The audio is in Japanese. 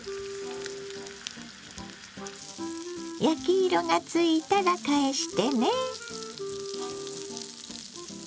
焼き色がついたら返してね。